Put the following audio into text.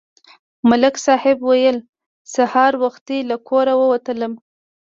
ملک صاحب ویل: سهار وختي له کوره ووتلم.